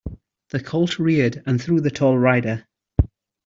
The colt reared and threw the tall rider.